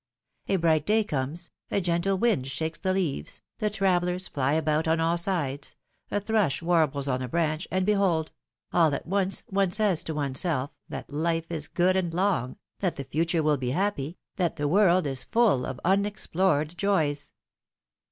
A bright day comes, a gentle wind shakes the leaves, the ^^travellers'' fly about on all sides, a thrush warbles on a branch, and behold ! all at once one 112 PHILOMI:NE's MARRIAaES. says to one's self, that life is good and long, that the future will be happy, that the world is full of unexplored joys.